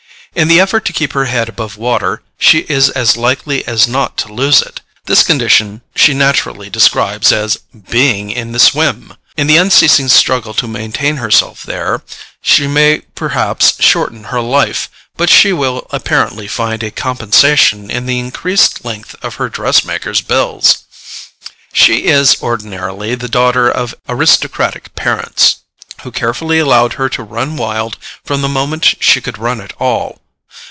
In the effort to keep her head above water, she is as likely as not to lose it. This condition she naturally describes as "being in the swim." In the unceasing struggle to maintain herself there, she may perhaps shorten her life, but she will apparently find a compensation in the increased length of her dressmaker's bills. She is ordinarily the daughter of aristocratic parents, who carefully allowed her to run wild from the moment she could run at all.